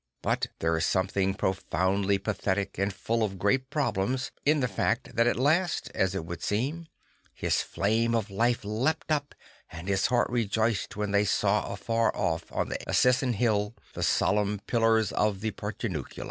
But there is something profoundly pathetic, and full of great problems, in the fact that at last, as it would seem, his flame of life leapt up and his heart rejoiced when they saw afar off on the Assisian hill the solemn pillars of the Portiuncula.